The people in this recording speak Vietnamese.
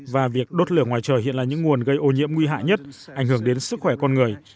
và việc đốt lửa ngoài trời hiện là những nguồn gây ô nhiễm nguy hại nhất ảnh hưởng đến sức khỏe con người